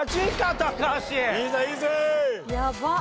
やばっ。